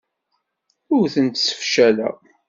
Ur tent-ssefcaleɣ.